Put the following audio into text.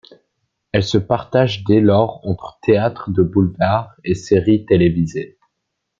Elle se partage dès lors entre théâtre de boulevard et séries télévisées.